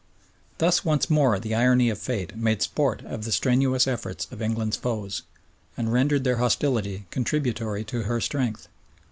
Thus once more the irony of fate made sport of the strenuous efforts of England's foes, and rendered their hostility contributory to her strength.